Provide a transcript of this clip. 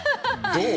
どう？